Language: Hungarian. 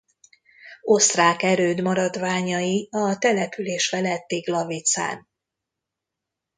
Osztrák erőd maradványai a település feletti Glavicán.